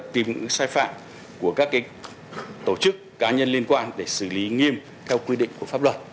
tìm những sai phạm của các tổ chức cá nhân liên quan để xử lý nghiêm theo quy định của pháp luật